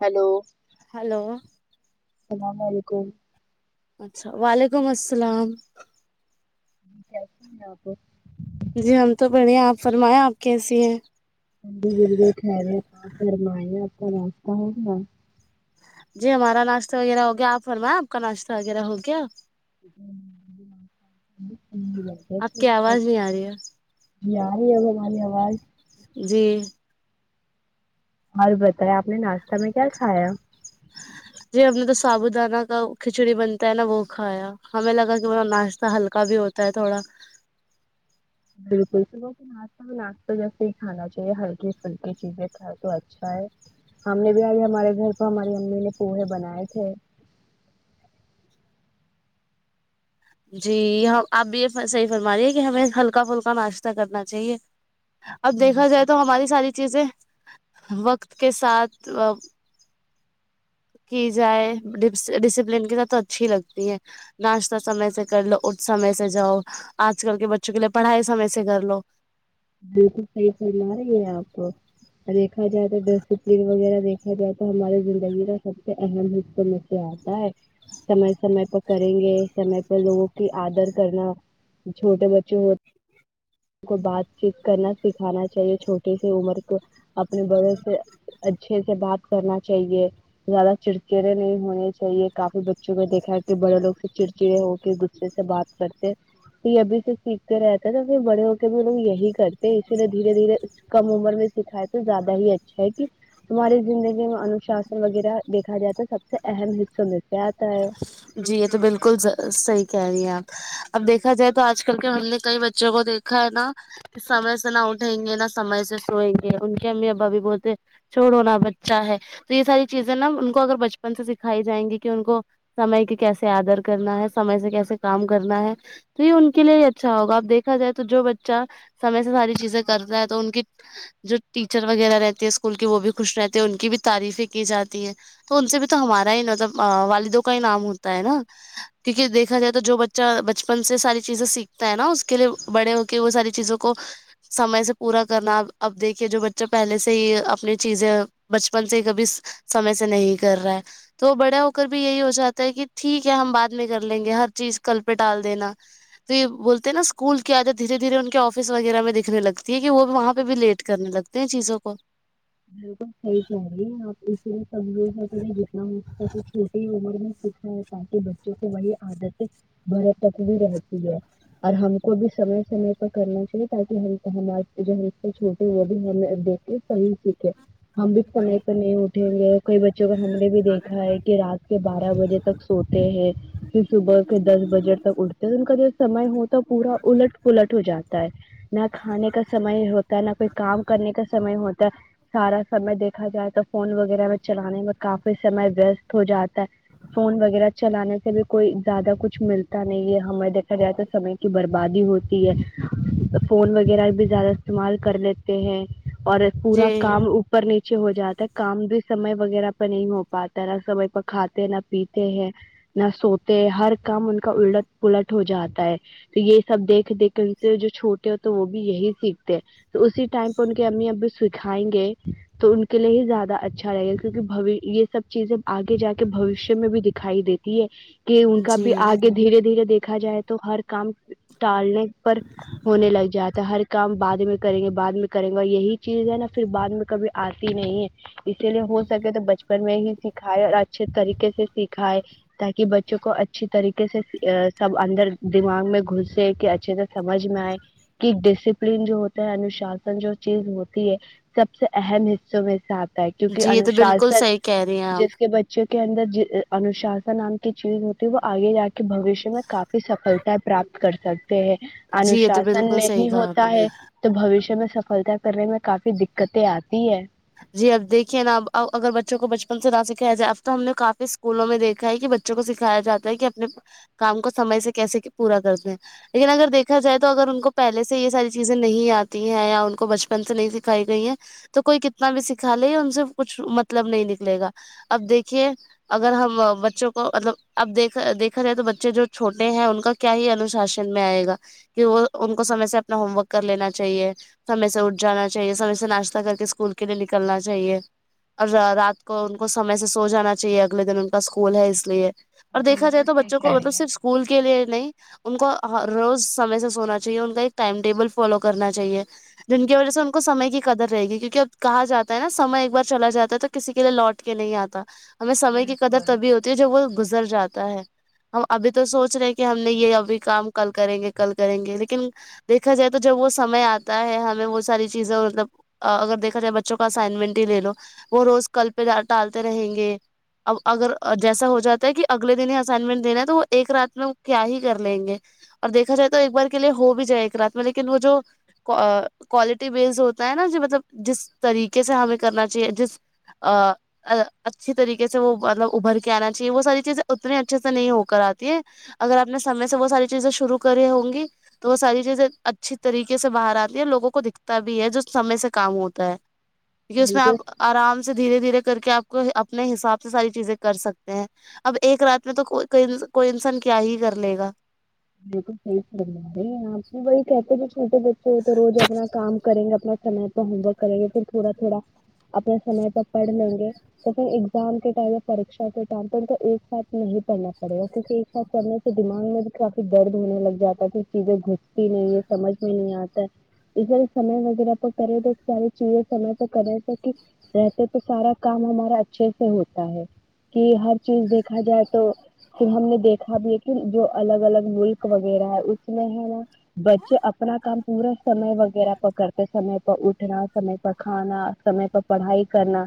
Hello hello السلام علیکم اچھا وعلیکم السلام کیسی ہیں آپ لوگ جی ہم تو بڑھے ہیں آپ فرمایں آپ کیسی ہیں جی جی خیریت آپ فرمائے اپ کا ناشتہ ہو گیا جی ہمارا ناشتہ وغیرہ ہو گیا اپ فرمائیے اپ کا نشتہ وغیرہ ہو گیا [unintelligible] جی بالکل، آپ کی بالکل۔ آواز نہیں آ رہی ہے جی آرہی اب ہماری آواز جی اور بتایے آپ نے ناشتہ میں کیا کھایا جی ہم نے تو سابو دانہ کا کھچڑی بنتا ہے نا وہ کھایا ہمیں لگا کہ با ناشتہ ہلکا بھی ہو تا ہے تھوڑا بالکل [unintelligible] ہم ناشتہ ویسے ہی کھانا چاہیے ہلکی پھلکی چیزیں کھائے تو اچھا ہے ہم نے بھی اج ہمارے گھر کو ہماری امی نے پوہے بنائے تھے جی ہم آپ بھی یہ صحیح فرما رہیے کہ ہمیں ہلکا پھلکا ناشتہ کرنا چاہیے اب دیکھا جائے تو ہماری ساری چیزیں وقت کے ساتھ کی جائے ڈسپلین کی ساتھ تو اچھی لگتی ہے ناشتہ سمے سے کر لو اٹھ سمے سے جاؤ آج کل کے بچوں کے لیے پڑھائی سمے سے کر لو بالکل صحیح فرما رہی ہیں آپ تو دیکھا جائے تو ڈسپلین وغیرہ دیکھا جائے تو ہماری زندگی کا سب سے اہم حصہ مل کیاتا ہے سمے سمے پر کریں گے سمے پر لوگوں کی آدر کرنا چھوٹے بچے ہوتے کو بات چیت کرنا سکھانا چاہیے چھوٹی سی عمر کو اپنے بڑوں سے اچھے سے بات کرنا چاہیے زیادہ چڑچڑے نہیں ہونے چاہیے کافی بچوں کو دیکھا ہے کہ بڑے لوگ سے چڑچڑے ہو کے اچھا سے بات کرتے یہ ابھی سے سیکھتے رہتے ہیں نہ بڑے ہو کے بھی ہم یہی کرتے ہیں اسی لیے دھیرے دھیرے کم عمر میں سکھائے تو زیادہ ہی اچھا ہے کہ تمہاری زندگی میں انوشاسن وغیرہ دیکھا جاتا ہے سب سے اہم حصوں میں کیا آتا ہے جی یہ تو بالکل صحیح کہہ رہی ہیں آپ اب دیکھا جائے تو آج کل کے ہم نے کئی بچوں کو دیکھا ہے نا سمے سے نہ اٹھیں گے نہ سمے سے سوئیں گے ان کے امی ابا بھی بہتے چھوڑو نا بچہ ہے تو یہ ساری چیزیں نا ان کو اگر بچپن سے سکھائی جائیں گی کہ ان کو سمے کی کیسے آدر کرنا ہے سمے سے کیسے کام کرنا ہے تو یہ ان کے لیے ہی اچھا ہوگا اب دیکھا جائے تو جو بچہ سامے سے ساری چیزیں کرتا ہے تو ان کی جو ٹیچر وغیرہ رہتی ہے اسکول کی وہ بھی خوش رہتے ہیں ان کی بھی تعریفیں کی جاتی ہے تو ان سے بھی تو ہمارا ہی مطلب والدوں کا ہی نام ہوتا ہے نا کیونکہ دیکھا جائے تو جو بچہ بچپن سے ساری چیزیں سیکھتا ہے نا اس کے لیے بڑے ہو کہ وہ ساری چیزوں کو سمے سے پورا کرنا اب دیکھیے جو بچہ پہلے سے ہی اپنی چیزیں بچپن سے ہی کبھی سمے سے نہیں کر رہا ہے تو بڑا ہو کر بھی یہی ہو چاہتا ہے کہ ٹھیک ہے ہم بعد میں کر لیں گے ہر چیز کل پہ ٹال دینا تو یہ بولتے ہیں نا اسکول کے آدے دھیرے دھیرے ان کے آفس وغیرہ میں دکھنے لگتی ہے کہ وہ وہاں پہ بھی لیٹ کرنی لگتا نے چیزوں کو بالکل صحیح کہہ رہی ہے آپ اسی لیے سمجھ ہیں کہ میں جتنا ہو سکتا کہ چھوٹی عمر میں سچا تاکہ بچوں کو وہی عادتیں بڑھاپے تک بھی رہتی ہے اور ہم کو بھی سمے سمے پر کرنا چاہیے تاکہ ہم ہم جو سے چھوٹے وہ بھی ہم د صحیح سیکھیں ہم بھی سمے پہ نہیں اٹھیں گے کئی بچوں کو ہم نے بھی دیکھا ہے کہ رات کے بارہ بجے تک سوتے ہیں پھر صبح کے دس بجے تک اٹھتے ہیں ان کا جو سمے ہو تو پورا الٹ پلٹ ہو جاتا ہے نہ کھانے کا سمے ہوتا ہے نہ کوئی کام کرنے کا سمے ہوتا سارا سمے دیکھا جائے تو فون وغیرہ میں چلانے میں کافی سمے وست ہو جاتا ہے فون وغیرہ چلانے سے بھی کوئی زیادہ کچھ ملتا نہیں ہے ہمیں دیکھا جائے تو سمے کی بربادی ہوتی ہے فون وغیرہ بھی زیادہ استعمال کر لیتے ہیں اور جی پورا کام اوپر نیچے ہو جاتا ہے کام بھی سمے وغیرہ پہ نہیں ہو پاتا نہ سمے پر کھاتے ہیں نہ پیتے ہیں نہ سوتے ہر کام ان کا الٹ پلٹ ہو جاتا ہے تو یہ سب دیکھ دیکھ ان سے جو چھوٹے ہوتے وہ بھی یہی سیکھتے ہے تو اسی ٹائم پہ ان کے امی ابو بھی سکھائیں گے تو ان کے لیے ہی زیادہ اچھا رہے گا کیوںک یہ سب چیزیں آگے جا کے بھوشیہ میں بھی دکھائی دیتی تی ہے کہ ان کا جی بھی آگے دھیرے دھیرے دیکھا جائے تو ہر کام ٹالنے پر ہونے لگ جاتا ہر کام بعد میں کریں گے بعد میں کریں گا یہی چیز ہے نا پھر بعد میں کبھی آتی نہیں ہے اسی لیے ہو سکے تو بچپن میں ہی سکھائے اور اچھے طریقے سے سکھائے تاکہ بچوں کو اچھی طریقے سے سب اندر دماغ میں گھسے کہ اچھے سمجھ میں آئے کہ ڈسپلین جو ہوتا ہے انوشاسن جو چیز ہوتی ہے سب سے اہم حصوں میں سے آتا ہے کیونکہ جی یہ تو بالکل انوشاسن صحیح کہہ رہی ہیں آپ جس کے بے بچوں کے اندر انوشاسن نام کی چیز ہوتی وہ آگے جا کے بھوشیہ میں کافی سفلتا پراپت کر سک تے جی یہ تو ہےانوشاسن بالکل صحیح نہیں کہا آپ ہوتا نے ہے تو بوشیہ میں سفلتا کرنے میں کافی دقتیں آتی ہے جی اب دیکھیے نا اب اگر بچوں کو بچپن سے نہ سکھایا جائے اب تو ہم نے کافی اسکولوں میں دیکھا ہے کہ بچ بچوں کو سکھایا جاتا ہے کہ اپنے کام کو سمے سے کیسے پورا کرتے ہیں لیکن اگر دیکھا جائے تو اگر ان کو پہلے سے یہ ساری چیزیں نہیں آتی ہیں یا ان کو بچپن سے نہیں سکھائی گئی ہیں تو کوئی کتنا بھی سکھا لے ان سے کچھ مطلب نہیں نکلے گا اب دیکھیے اگر ہم بچوں کو مطلب اب اب دیکھ دیکھا جائے تو بچے جو چھوٹے ہیں ان کا کیا یہ انشاسن میں آئے گا کہ وہ ان کو سمے سے اپنا ہوم ورک کر لینا چاہیے سمے سے اٹھ جانا چاہیے سمے سے ناشتہ کر کے اسکول کے لیے نکلنا چاہیے اور را رات کو ان کو سمے سے سو جانا چاہیے اگلے دن ان کا اسکول ہے اس لیے اور دیکھا جائے بالکل تو صحیح بچوں کو کہہ مطلب رہی صرف اسکول کے لیے نہیں ان کو ہر روز سمے سے سونا چاہیے ان کا ایک ٹائم ٹیبل فالو کرنا چاہیے جن کی وجہ سے ان کو سمے کی قدر رہ گی کیونکہ کہا جاتا ہے نا سمے ایک بار چلا جاتا ہے تو کسی کے لیے لوٹ کے نہیں آتا ہمیں سمے کی قدر تبھی ہو تی ہےجب وہ گزر جاتا ہے ہم ابھی تو سوچ رہے ہیں کہ ہم نے یہ ابھی کام کل کریں گے کل کریں گے لیکن دیکھا جائے تو جب وہ سمے آتا ہے ہمیں وہ ساری چیزیں مطلب اگر دیکھ پھر یےبچوں کا اسائنمنٹ ہی لے لو وہ روز کل پہ ٹالتے رہیں گے اب اگر جیسا ہو جاتا ہے کہ اگلے دن ہی اسائنمنٹ دینا ہے تو وہ ایک رات میں کیا ہی کر لیں گے اور دیکھا جائے تو ایک بار کے لیے ہو بھی جائے ایک رات میں لیکن وہ جو کو کوالٹی بیسڈ ہوتا ہے نا جو مطلب جس طریقے سے ہمیں کرنا چاہیے جس آ آ اچھی طریقے سے وہ مطلب ابھر کے آنا چاہیے وہ ساری چیزیں اتنی اچھے سے نہیں ہو کر آتی ہیں اگر آپ نے سمے سے وہ ساری چیزیں شروع کری ہوں گی تو وہ ساری چیزیں اچھی طریقے سے باہر آتی ہیں لوگوں کو دکھتا بھی ہے جو سمے سے کام ہوتا ہے کیونکہ ہے اس میں آپ بالکل آرام سے دھیرے دھیرے کر کے آپ کو اپنے حساب سے ساری چیزیں کر سکتے ہیں اب ایک رات میں تو کوئی کوئی انسان کیا ہی کر لے گا بالکل صحیح فرما رہی ہے آپ بھی وہی کہتے کہ چھوٹے بچے ہو تو روز اپنا کام کریں گے اپنا سمے اپنا ہوم ورک کریں گے پھر تھوڑا تھوڑا اپنے سمے پہ پڑھ لیں گے تو پھر ایگزام کے ٹائم پارکشا کے ٹائم پر تو ایک ساتھ نہیں پڑھنا پڑے گا کیونکہ سب پھڑنے سے دماغ میں کب فر درد ہونے لگ جاتا ہے کچھ چیزیں گھستی نہیں ہے سمجھ میں نہیں آتا [unintelligible] سمے وغیرہ پے کرے تو ساری چیزے سم تو کرے تو کہ رھتے تو سارا کام ہمارا اچھے سے ہوتا ہے کہ ہر چیز دیکھا جائے تو پھر ہم نے دیکھا بھی ہے کہ جو الگ الگ ملک وغیرہ ہے اس میں ہے نا بچے اپنا کام پورا سمے وغیرہ پر کرتے سمے پے اٹھنا سمے پر کھانا سمے پے پڑھائی کرنا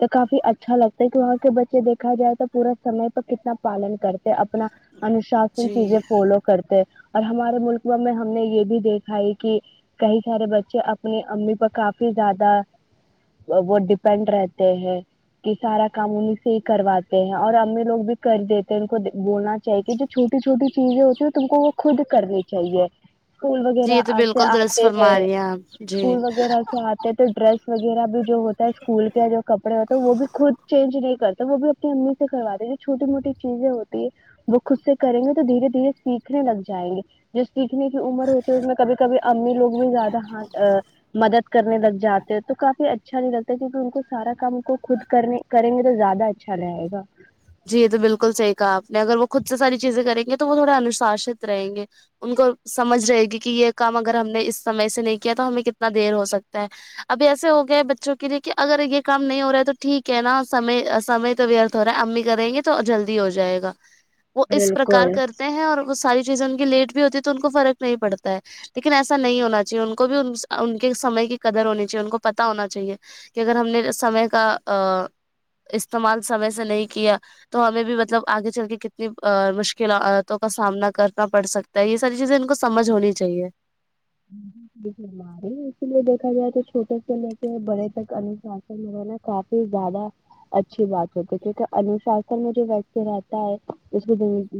تو کافی اچھا لگتا ہے کہ وہاں کے بچے دیکھا جائے تو پورا سمے پہ کتنا پالن کرتے ہیں اپنا انشاسن چیزیں جی فالو کرتے اور ہمارے ملک میں ہم نے یہ بھی دیکھا ہے کہ کئی سارے بچے اپنی امی پے کافی زیادہ وہ وہ ڈیپینڈ رہتے ہیں کہ سارا کام انیں سے ہی کرواتے ہیں اور امی لوگ بھی کر دیتے ان دے کو بولنا چاہ کہ جو چھوٹی چھوٹی چیزیں ہوتی ہیں تم کو وہ خود کرنی چاہیے اسکول جی وغیرہ یہ تو سے آتے بالکل درست آتے ہیں فرما رہی آپ جی اسکول وغیرہ سے آتے ہیں تو ڈریس وغیرہ بھی جو ہوتا ہے اسکول کے جو کپڑے ہوتے ہیں وہ بھی خود چینج نہیں کرتے وہ بھی امی سے کرواتے ہیں چھوٹی موٹی چیزیں ہوتی ہے وہ خود سے کریں گے تو دھیرے دھیرے سیکھنے لگ جائیں گے جس سیکھنے کی عمر ہوتی اس میں کبھی کبھی امی لوگ بھی زیادہ ہاتھ مدد کرنے لگ جاتے ہو تو کافی اچ ھا نہیں لگتا کیونکہ ان کو سارا کام کو خود کرنے کریں گے تو زیادہ اچھا لگے گا جی یہ تو بالکل صحیح کہا آپ نے اگر وہ خود سے ساری چیزیں کریں گے تو وہ تھوڑے انوشاست رہیں گے ان کو سمجھ رہے گی کہ یہ کام اگر ہم نے اس سمے سے نہیں کیا تو ہمیں کتنا دیر ہو سکتا ہے ابھی ایسے ہو گئے بچوں کے لیے کہ اگر یہ کام نہیں ہو رہا ہے تو ٹھیک ہے نا سمے سمے تو وتھ ہو رہا ہے امی کریں گے تو جلدی ہو جائے گا وہ اس پرکار بالکل سے تے ہیں اور وہ ساری چیزیں ان کی لیٹ بھی ہوتی ہے تو ان کو فرق نہیں پڑتا ہے لیکن ایسا نہیں ہونا چاہیے ان کو بھی ان کے سمے کی قدر ہونی چاہیے ان کو بھی پتہ ہونا چاہیے کہ اگر ہم نے سمے کا ا استعمال سمے سے نہیں کیا تو ہمیں بھی مطلب آگے چل کے کتنی ا مشکلاتوں کا سامنا کرنا پڑ سکتا نہیں یہ ساری چیزیں ان کو سمجھ ہونی چاہیے [inaudible] اسی لیے دیکھا جائے تو چھوٹے سے لے کے بڑے تک انوشاسن میں رہ ہے نا کافی زیادہ اچھی بات ہوتی ہے کیونکہ انوشاسن میں جو ویکتی رہتا ہے اس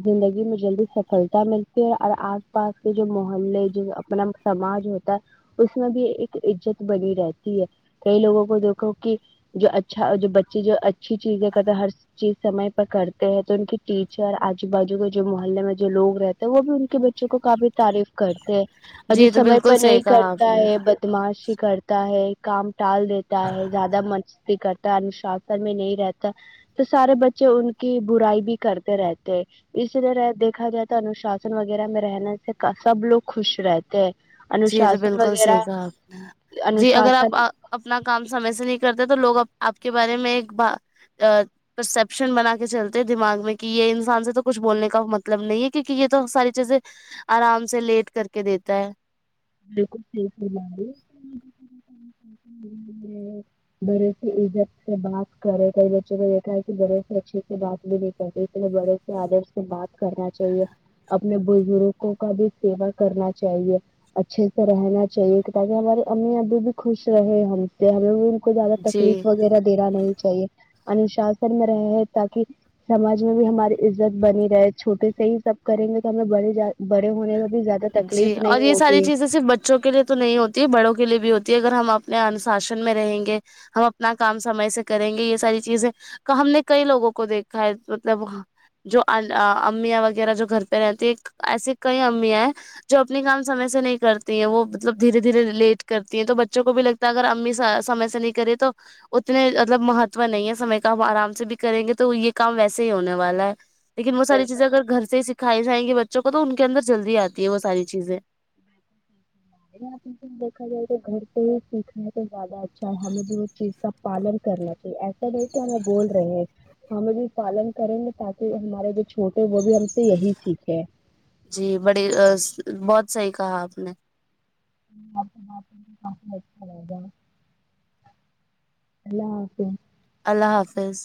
زندگی میں جلدی سفلتا ملتی ہے اور آس پاس کے جو محلے جو اپنا سماج جو ہوتا ہے اس میں بھی ایک عزت بنی رہتی ہے کئی لوگوں کو دیکھو کہ جو اچھا جو بچے جو اچھی چیزیں کرتے ہر چیز سمے پر کرتے ہیں تو ان کے ٹیچر آجو باجو کے جو محلے میں جو لوگ رہتے ہیں وہ بھی ان کے ب بچوں کو کافی تعریف کرتے ہیں اور جو جی تو سمے پہ بالکل صحیح نہیں کہا آپ کرتا نے ہے بدمعاشی کرتا ہے کام ٹال دیتا ہے زیادہ مر بھی کرتا انوشاسن میں نہیں رہتا تو سارے بچے ان کی برائی بھی کرتے رہتے اس لیے دیکھا جائے تو انوشاسن وغیرہ میں رہنے سے سب لوگ خوش رہتے ہیں جی یہ تو انوشاسن بالکل وغیرہ صحیح کہا جی اگر آپ انوشاسن آ اپنا کام سمے سے نہیں کرتے تو لوگ آپ کے بارے میں ایک بات ا پرسپشن بنا کے چلتے دماغ میں کہ یہ انسان سے تو کچھ بولنے کا مطلب نہیں ہے کیونکہ یہ تو ساری چیزیں آرام سے لیٹ کر کے دیتا ہے بالکل صحیح فرما رہی ہے بڑے سے عزت سے بات کرے کئی بچوں کو دیکھا ہے کہ بڑے سے اچھے سے بات بھی نہیں اتنے بڑے سے آدر سے بات کرنا چاہیے اپنے بزرگوں کا بھی سیوا کرنا چاہیے اچھے سے رہنا چاہیے تاکہ ہماری امی ابو بھی خوش رہے ہم ہم بھی ان کو زیادہ جی تکلیف وغیرہ دینا نہیں چاہیے انوشاسن میں رہے تاکہ سماج میں بھی ہماری عزت بنی رہے چھوٹے سے ہی سب کریں گے کہ ہمیں بڑے ج بڑے ہونے میں زیادہ تکلیف نہیں ہوگی تو صرف بچوں کے لیے تو نہیں ہوتی ہے بڑوں کے لیے بھی ہوتی ہے اگر ہم اپنے انوشاسن میں رہیں گے ہم اپنا کام سمے سے کریں گے یہ ساری چیزیں کا ہم نے کئی لوگوں کو دیکھا ہے مطلب جو ا ل امیاں وغیرہ جو گھر پہ رہتی ایک ایسی کئی امیاں ہیں جو اپنی کام سمے سے نہیں کرتی ہے وہ مطلب دھیرے دھیرے لیٹ کرتی ہے تو بچوں کو بھی لگ اگر امی سمے سے نہیں کری تو اتنے مطلب مہتو نہیں ہے سمے کا ہم آرام سے بھی کریں گے تو یہ کام ویسے ہی ہونے والا ہے لیکن وہ ساری چیزیں بالکل اگر گھر سے سکھائی جائیں گی بچوں کو تو ان کے اندر جلدی آتی ہے وہ ساری چیزیں دیکھا جائے تو گھر پہ ہی سیکھنا ہے تو زیادہ اچھا ہے ہمیں بھی وہ چیز کا پالن کرنا چاہیے ایسا نہیں کہ ہمیں بول رہے ہیں ہمیں بھی پالن کریں گے تاکہ ہمارے جو چھوٹے وہ بھی ہم سے یہی سیکھے جی بڑی ا س بہت صحیح کہا آپ نے ھا رہ جا [inaudible] اللہ حافظ اللہ حافظ